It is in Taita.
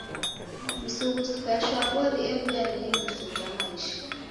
Misughusiko ya shwaw'ori ew'uya ni iliso ja maisha.